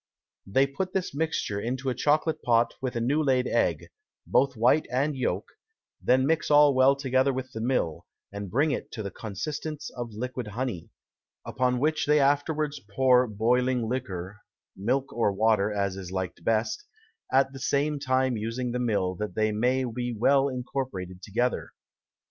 They put this Mixture into a Chocolate Pot with a new laid Egg, both White and Yolk; then mix all well together with the Mill, and bring it to the Consistence of Liquid Honey, upon which they afterwards pour boiling Liquor, (Milk or Water, as is liked best) at the same time using the Mill that they may be well incorporated together.